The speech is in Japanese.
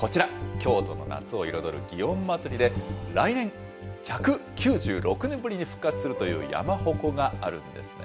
京都の夏を彩る祇園祭で、来年、１９６年ぶりに復活するという山鉾があるんですね。